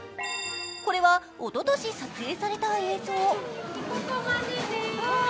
これは、おととし撮影された映像。